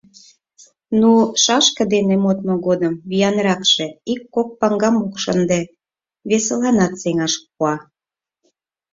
Ну... шашке дене модмо годым виянракше ик-кок паҥгам ок шынде, весыланат сеҥаш пуа.